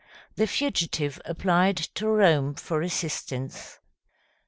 The fugitive applied to Rome for assistance.